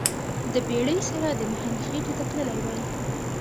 د بیړۍ سره د نهنګ خیټې ته تللی وای